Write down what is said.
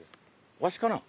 わしかなあ？